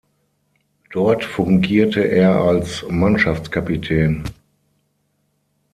Dort fungierte er als Mannschaftskapitän.